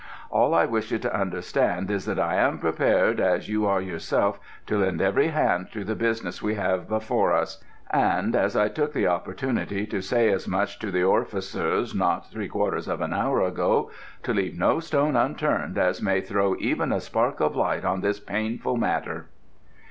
All I wish you to understand is that I am prepared as you are yourself to lend every hand to the business we have afore us, and as I took the opportunity to say as much to the Orficers not three quarters of an hour ago to leave no stone unturned as may throw even a spark of light on this painful matter."